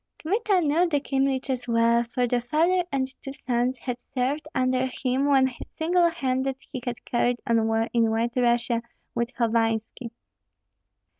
Kmita knew the Kyemliches well, for the father and two sons had served under him when single handed he had carried on war in White Russia with Hovanski.